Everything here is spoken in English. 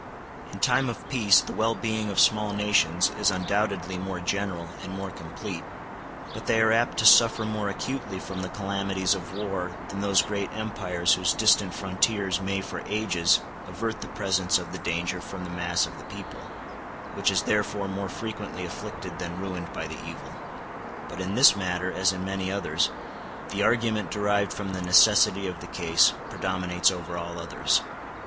In time of peace the well being of small nations is undoubtedly more general and more complete, but they are apt to suffer more acutely from the calamities of war than those great empires whose distant frontiers may for ages avert the presence of the danger from the mass of the people, which is therefore more frequently afflicted than ruined by the evil. But in this matter, as in many others, the argument derived from the necessity of the case predominates over all others.